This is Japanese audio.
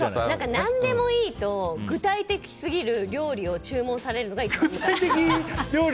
何でもいいと具体的すぎる料理を注文されるのが一番むかつく。